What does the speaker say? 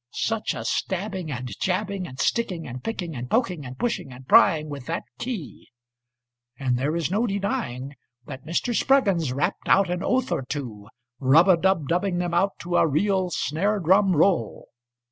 Such a stabbing, and jabbing, And sticking, and picking, And poking, and pushing, and pryingWith that key; And there is no denying that Mr. Spruggins rapped out an oath ortwo, Rub a dub dubbing them out to a real snare drum roll.